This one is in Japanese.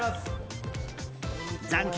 残金